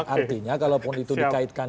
artinya kalaupun itu dikaitkan